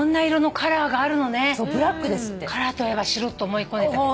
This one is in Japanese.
カラーといえば白って思い込んでたけど。